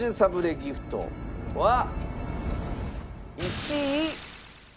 ギフトは１位。